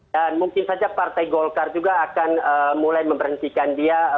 mungkin saja partai golkar juga akan mulai memberhentikan dia